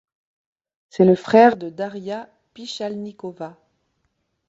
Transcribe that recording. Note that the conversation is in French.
C'est le frère de Darya Pishchalnikova.